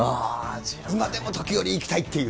今でも時折行きたいっていう。